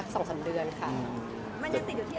มันยังสีดที่ที่อะไรเนี่ย